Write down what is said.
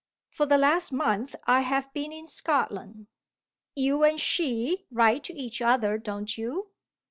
"For the last month I have been in Scotland." "You and she write to each other, don't you?"